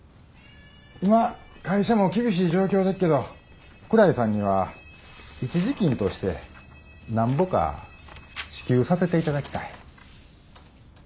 今会社も厳しい状況でっけど福来さんには一時金としてなんぼか支給させていただきたい。